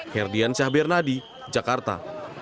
herdian syahbernadi jakarta